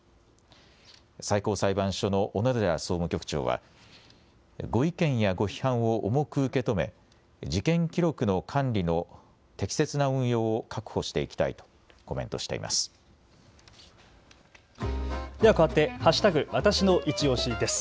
最高裁判所の小野寺総務局長はご意見やご批判を重く受け止め事件記録の管理の適切な運用を確保していきたいとコメントしています。